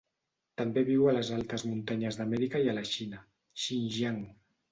També viu a les altes muntanyes d'Amèrica i a la Xina, Xinjiang.